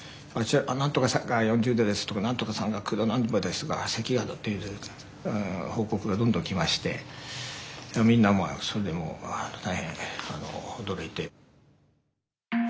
なんとかさんが４０℃ですとかなんとかさんが３９℃何分ですとか咳がという報告がどんどん来ましてみんなそれでもう大変驚いて。